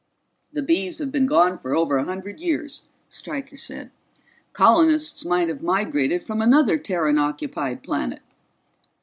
"The Bees have been gone for over a hundred years," Stryker said. "Colonists might have migrated from another Terran occupied planet."